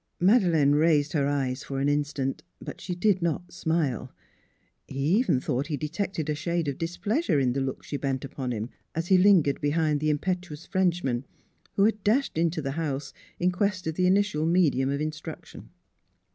Madeleine raised her eyes for an instant. But she did not smile. He even thought he detected a shade of displeasure in the look she bent upon him, as he lingered behind the impetuous Frenchman, who had dashed into the house in quest of the initial medium of in struction.